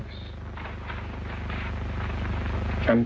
และสมุทรตรวม